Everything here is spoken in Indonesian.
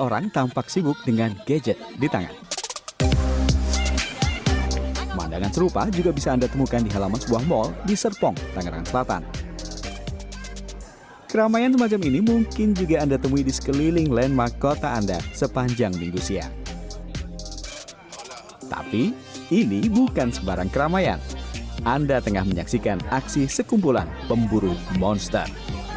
ramai ramaian anda tengah menyaksikan aksi sekumpulan pemburu monster